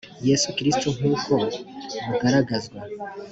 yesu kristo nk uko bugaragazwa